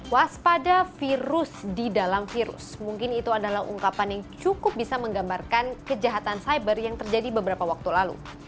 waspada virus di dalam virus mungkin itu adalah ungkapan yang cukup bisa menggambarkan kejahatan cyber yang terjadi beberapa waktu lalu